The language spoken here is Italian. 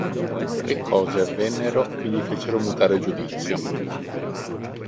Tre cose avvennero, che gli fecero mutare giudizio.